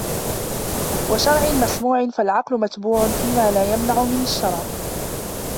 وَشَرْعٍ مَسْمُوعٍ فَالْعَقْلُ مَتْبُوعٌ فِيمَا لَا يَمْنَعُ مِنْهُ الشَّرْعُ